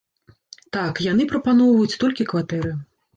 Так, яны прапаноўваюць толькі кватэры.